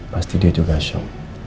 pasti dia juga shock